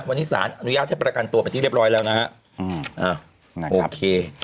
วันนี้สารอนุญาตให้ประกันตัวไปที่เรียบร้อยแล้วนะฮะอืมอ่าโอเค